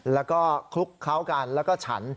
แล้วก็คลุกเคล้ากันแล้วก็ฉัน